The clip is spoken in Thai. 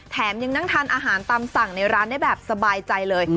ยังนั่งทานอาหารตามสั่งในร้านได้แบบสบายใจเลย